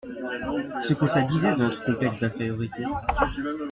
Ce que ça disait de notre complexe d’infériorité.